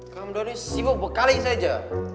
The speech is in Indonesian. kamu doang ini sibuk berkaliin saja